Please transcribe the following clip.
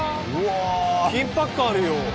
緊迫感あるよ。